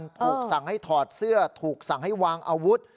ถูกสั่งให้ถอดเสื้อถูกสั่งให้วางอาวุธ